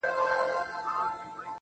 زما چي ځي تر ډېره ښوروي لاسونه